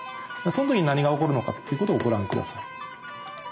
その時に何が起こるのかっていうことをご覧下さい。